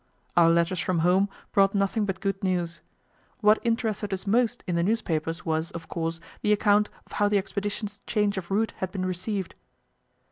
Our letters from home brought nothing but good news. What interested us most in the newspapers was, of course, the account of how the expedition's change of route had been received.